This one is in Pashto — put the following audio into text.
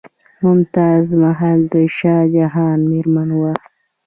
ممتاز محل د شاه جهان میرمن وه.